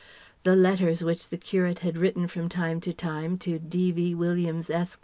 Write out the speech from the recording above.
The letters which the curate had written from time to time to D.V. Williams, Esq.